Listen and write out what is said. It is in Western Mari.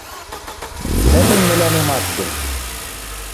Дӓ тӹнь мӹлӓнем ат кел.